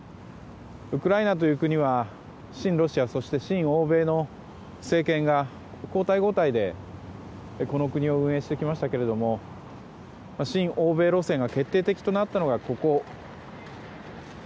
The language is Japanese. ウクライナという国は親ロシアそして親欧米の政権が交代交代でこの国を運営してきましたけれども新欧米路線が決定的となったのがここ。